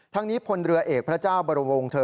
ทั้งนี้พลเรือเอกพระเจ้าบรมวงเธอ